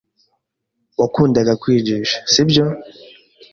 Wakundaga kwigisha, sibyo?